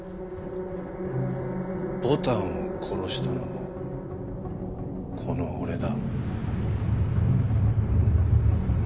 牡丹を殺したのもこの俺だ。